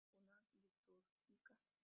Música vocal litúrgica